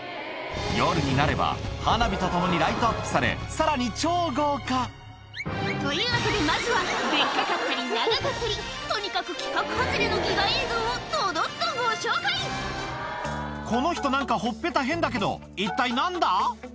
夜になれば、花火とともにライトアップされ、さらに超豪華。というわけで、まずはでっかかったり、長かったり、とにかく規格外れなギガ映像この人、なんかほっぺた変だけど、一体なんだ？